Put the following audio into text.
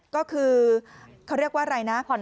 ก็คือเขาเรียกว่าอะไรนะ